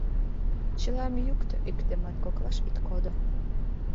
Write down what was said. Чылам йӱктӧ, иктымат коклаш ит кодо.